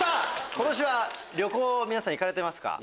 今年は旅行皆さん行かれてますか？